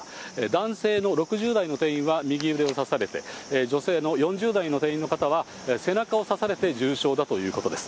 男性の６０代の店員は右腕を刺されて、女性の４０代の店員の方は背中を刺されて重傷だということです。